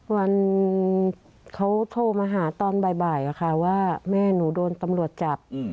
วันเขาโทรมาหาตอนบ่ายค่ะว่าแม่หนูโดนตำรวจจับ